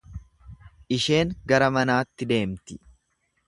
Isheen gara manaatti deemti.